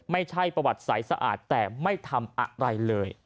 ไม่ใช่ประวัติสายสะอาดแต่ไม่ทำอะไรเลย